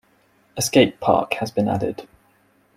A skate park has been added.